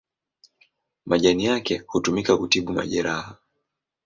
Majani yake hutumika kutibu majeraha.